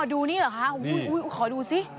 อ๋อดูนี่เหรอคะอุ้ยขอดูสิ